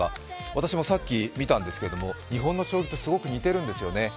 私もさっき見たんですけれども日本の将棋とすごく似てるんですよね。